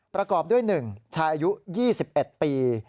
ประกอบด้วย๑ชายอายุ๒๑ปี